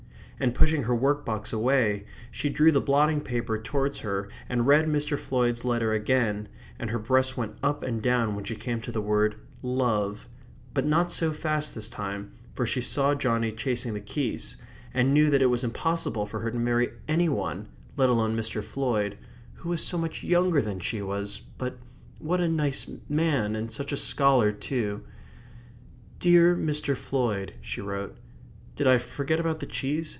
And pushing her work box away, she drew the blotting paper towards her, and read Mr. Floyd's letter again, and her breast went up and down when she came to the word "love," but not so fast this time, for she saw Johnny chasing the geese, and knew that it was impossible for her to marry any one let alone Mr. Floyd, who was so much younger than she was, but what a nice man and such a scholar too. "Dear Mr. Floyd," she wrote. "Did I forget about the cheese?"